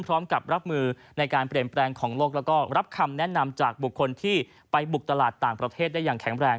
พร้อมกับรับมือในการเปลี่ยนแปลงของโลกแล้วก็รับคำแนะนำจากบุคคลที่ไปบุกตลาดต่างประเทศได้อย่างแข็งแรง